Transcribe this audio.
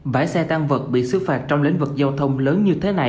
bãi xe tăng vật bị xứ phạt trong lĩnh vực giao thông lớn như thế này